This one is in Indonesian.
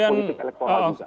atau dengan politik elektronik